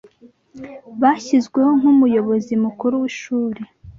Bashyizweho nk'umuyobozi mukuru w'ishuri